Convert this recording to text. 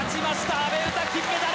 阿部詩、金メダル！